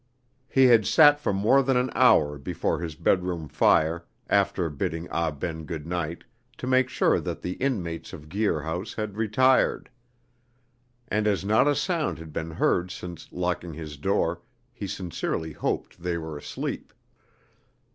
He had sat for more than an hour before his bedroom fire, after bidding Ah Ben good night, to make sure that the inmates of Guir House had retired; and as not a sound had been heard since locking his door, he sincerely hoped they were asleep.